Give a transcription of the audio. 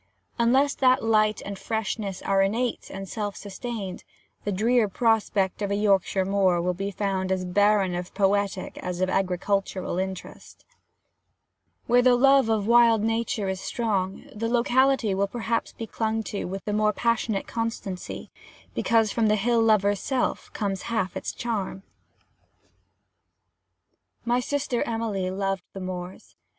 Unless that light and freshness are innate and self sustained, the drear prospect of a Yorkshire moor will be found as barren of poetic as of agricultural interest: where the love of wild nature is strong, the locality will perhaps be clung to with the more passionate constancy, because from the hill lover's self comes half its charm. My sister Emily loved the moors.